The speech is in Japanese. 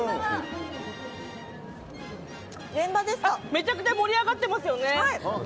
めちゃくちゃ盛り上がってますよね。